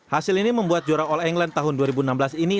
hasil ini membuat juara all england tahun dua ribu enam belas ini